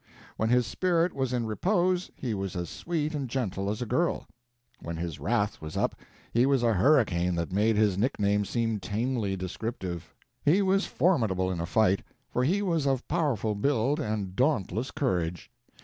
When his spirit was in repose he was as sweet and gentle as a girl; when his wrath was up he was a hurricane that made his nickname seem tamely descriptive. He was formidable in a fight, for he was of powerful build and dauntless courage.